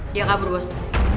dia kabur bos